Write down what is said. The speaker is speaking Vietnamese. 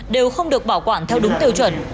đều không được bảo quản theo đúng tiêu chuẩn